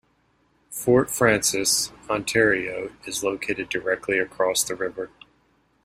Fort Frances, Ontario is located directly across the river.